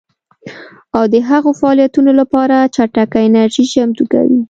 او د هغو فعالیتونو لپاره چټکه انرژي چمتو کوي